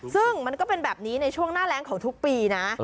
ซึ่งมันก็เป็นแบบนี้ในช่วงหน้าแรงของทุกปีนะ